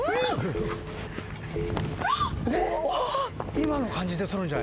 今の感じで取るんじゃ？